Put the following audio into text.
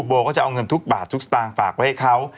โบก็จะเอาเงินทุกบาททุกสตางค์ฝากไว้ให้เขา